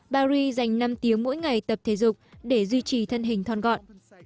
paris dành năm tiếng mỗi ngày tập thể dục để duy trì thân hình thon gọn